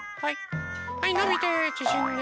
はいのびてちぢんで。